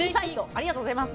ありがとうございます。